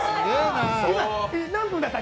何分だった？